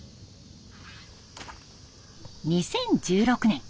２０１６年